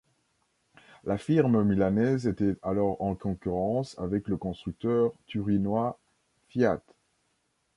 La firme milanaise était alors en concurrence avec le constructeur turinois Fiat.